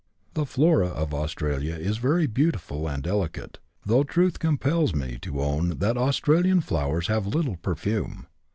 The Flora of Australia is very beautiful and delicate, though truth compels me to own that Australian flowers have little perfume.